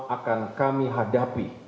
akan kami hadapi